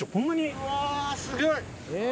うわすごい。